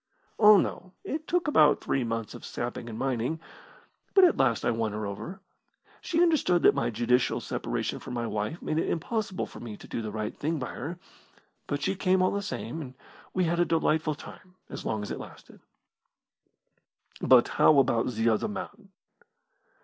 "Oh, no, it took about three months of sapping and mining. But at last I won her over. She understood that my judicial separation from my wife made it impossible for me to do the right thing by her but she came all the same, and we had a delightful time, as long as it lasted." "But how about the other man?"